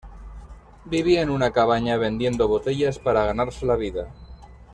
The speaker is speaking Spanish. Vivía en una cabaña vendiendo botellas para ganarse la vida.